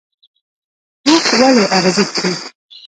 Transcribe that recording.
اوښ ولې اغزي خوري؟